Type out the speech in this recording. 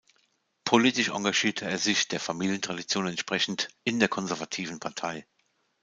Politisch engagierte er sich, der Familientradition entsprechend, in der konservativen Partei.